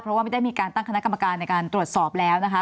เพราะว่าไม่ได้มีการตั้งคณะกรรมการในการตรวจสอบแล้วนะคะ